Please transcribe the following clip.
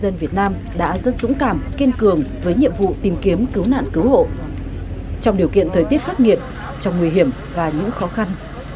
dân việt nam đã rất dũng cảm kiên cường với nhiệm vụ tìm kiếm cứu nạn cứu hộ trong điều kiện thời tiết khắc nghiệt trong nguy hiểm và những khó khăn